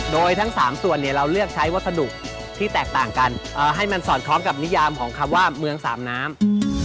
โดยทั้ง๓ส่วนเราเลือกใช้วัสดุที่แตกต่างกันให้มันสอดคล้องกับนิยามของคำว่าเมืองสามน้ำ